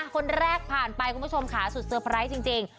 คนแรกผ่านไปคุณผู้ชมค่ะสุดเซอร์ไพรส์จริง